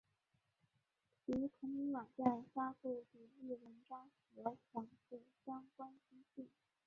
其同名网站发布独立文章和杂志相关资讯。